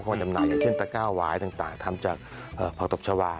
ของจำหน่ายอย่างซึ่งตะกั้ววายตั้งแต่ทำจากผักโต๊ปชาวา